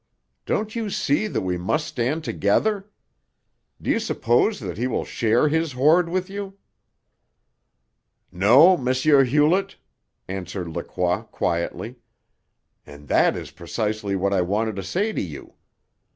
Don't you see that we must stand together? Do you suppose that he will share his hoard with you?" "No, M. Hewlett," answered Lacroix quietly. "And that is precisely what I wanted to say to you.